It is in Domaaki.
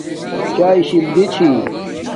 چایے شلری چھی